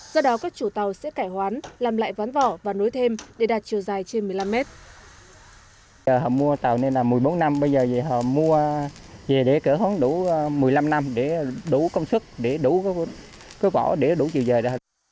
do đó các chủ tàu sẽ cải hoán làm lại ván vỏ và nối thêm để đạt chiều dài trên một mươi năm mét